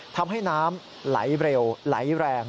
ทำให้น้ำไหลเร็วไหลแรง